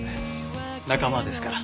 仲間ですから。